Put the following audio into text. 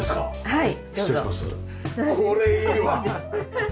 はい。